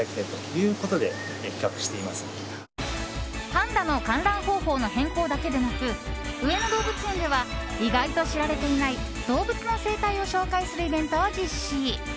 パンダの観覧方法の変更だけでなく上野動物園では意外と知られていない動物の生態を紹介するイベントを実施。